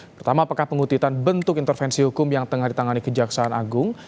pertama apakah pengutitan bentuk intervensi hukum yang tengah ditangani kejaksaan agung